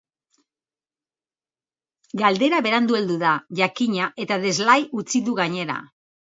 Galdera berandu heldu da, jakina, eta deslai utzi du gainera.